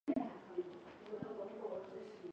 他倾向于梁启超等立宪派的立场。